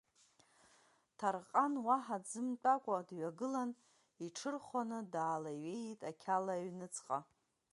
Ҭарҟан уаҳа дзымтәакәа дҩагылан, иҽырхәаны даалеиҩеит ақьала аҩныҵҟа.